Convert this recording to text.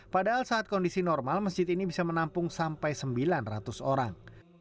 padahal saat kondisi normal masjid ini bisa menampung sampai sembilan ratus orang